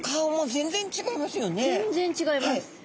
全然ちがいます。